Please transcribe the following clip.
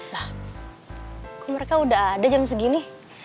lah kok mereka udah ada jam segini